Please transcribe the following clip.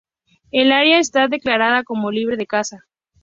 El área está declarada como libre de caza.